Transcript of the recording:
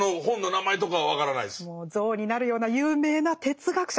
像になるような有名な哲学者